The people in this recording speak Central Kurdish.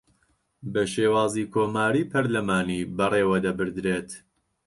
بە شێوازی کۆماریی پەرلەمانی بەڕێوەدەبردرێت